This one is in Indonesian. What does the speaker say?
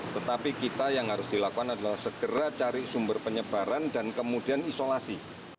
tetapi kita yang harus dilakukan adalah segera cari sumber penyebaran dan kemudian isolasi